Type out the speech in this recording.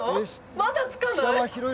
まだ着かない？